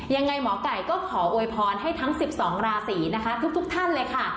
ยังไงหมอไก่ก็ขอโวยพรให้ทั้ง๑๒ราศีนะคะทุกท่านเลยค่ะ